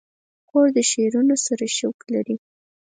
خور د شعرونو سره شوق لري.